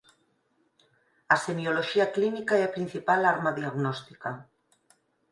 A semioloxía clínica é a principal arma diagnóstica.